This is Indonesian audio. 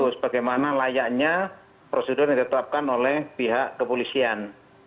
sebagaimana layaknya prosedur yang ditetapkan oleh pihak kepolisian